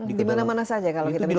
di mana mana saja kalau kita bicara